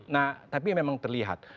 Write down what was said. nah tapi memang terlihat